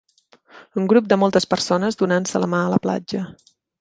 Un grup de moltes persones donant-se la mà a la platja.